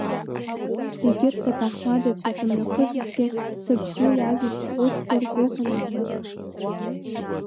Егьырҭ аҭаҳмадцәа зымҩыхыҵызгьы сабду иажәабжь ҟәышқәа рзыҳәан акәын.